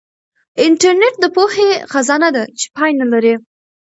انټرنیټ د پوهې خزانه ده چې پای نه لري.